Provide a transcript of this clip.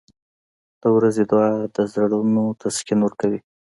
• د ورځې دعا د زړونو تسکین ورکوي.